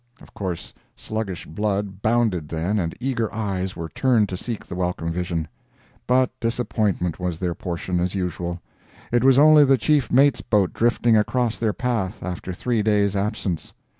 Of course, sluggish blood bounded then and eager eyes were turned to seek the welcome vision. But disappointment was their portion, as usual. It was only the chief mate's boat drifting across their path after three days' absence.